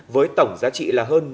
với tổng giá trị là hơn